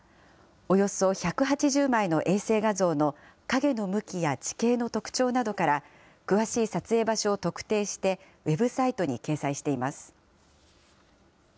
およそ１８０枚の衛星画像の影の向きや地形の特徴などから詳しい撮影場所を特定してウェブサイトに掲載しています。